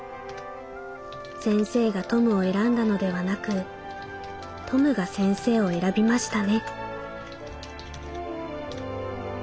『先生がトムを選んだのではなくトムが先生を選びましたね』」。